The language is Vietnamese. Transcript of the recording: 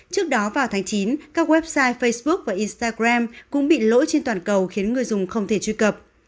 trước đó vào tháng chín các website facebook và instagram cũng bị lỗi trên toàn cầu khiến người dùng không thể truy cập